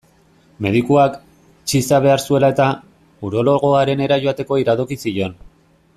Medikuak, txiza behar zuela-eta, urologoarenera joateko iradoki zion.